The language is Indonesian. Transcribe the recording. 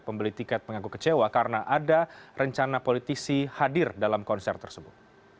pembeli tiket mengaku kecewa karena ada rencana politisi hadir dalam konser tersebut